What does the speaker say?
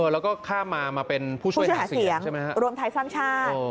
แล้วก็ข้ามมามาเป็นผู้ช่วยหาเสียงรวมไทยสร้างชาติ